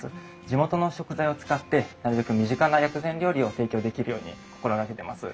地元の食材を使ってなるべく身近な薬膳料理を提供できるように心がけてます。